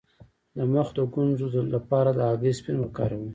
د مخ د ګونځو لپاره د هګۍ سپین وکاروئ